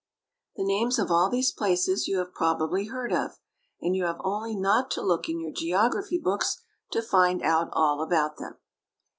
The names of all these places you have probably heard of; and you have only not to look in your geography books to find out all about them.